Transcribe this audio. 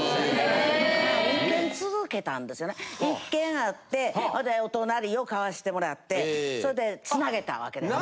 １軒あってお隣を買わしてもらってそいで繋げたわけです。